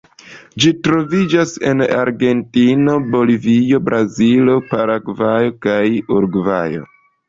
Ĝi troviĝas en Argentino, Bolivio, Brazilo, Paragvajo kaj Urugvajo.